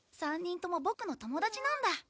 ３人ともボクの友達なんだ。